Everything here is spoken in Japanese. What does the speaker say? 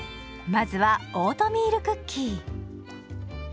まずはオートミールクッキー。